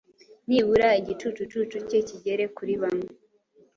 nibura igicucu cye kigere kuri bamwe.”